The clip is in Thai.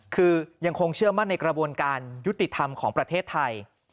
คือยังคงเชื่อมั่นในกระบวนการยุติธรรมของประเทศไทย